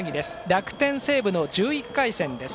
楽天、西武の１１回戦です。